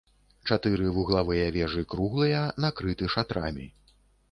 Чатыры вуглавыя вежы круглыя, накрыты шатрамі.